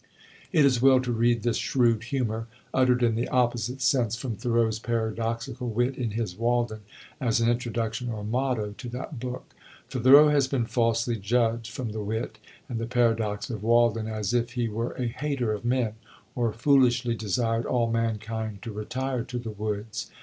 It is well to read this shrewd humor, uttered in the opposite sense from Thoreau's paradoxical wit in his "Walden," as an introduction or motto to that book. For Thoreau has been falsely judged from the wit and the paradox of "Walden," as if he were a hater of men, or foolishly desired all mankind to retire to the woods.